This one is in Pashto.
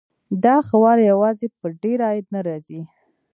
دا ښه والی یوازې په ډېر عاید نه راځي.